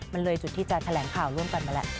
มันเลยจุดที่จะแถลงข่าวร่วมกันมาแล้ว